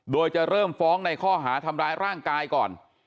โดยจะเริ่มฟ้องในข้อหาทำร้ายร่างกายก่อน